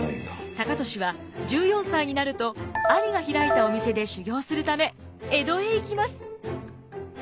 高利は１４歳になると兄が開いたお店で修行するため江戸へ行きます。